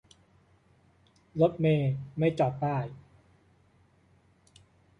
รถเมล์ไม่จอดป้าย